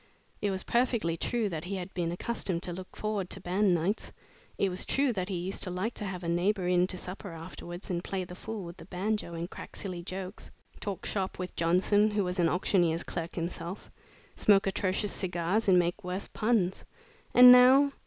It was perfectly true that he had been accustomed to look forward to band nights. It was true that he used to like to have a neighbor in to supper afterwards, and play the fool with the banjo and crack silly jokes; talk shop with Johnson, who was an auctioneer's clerk himself; smoke atrocious cigars and make worse puns. And now!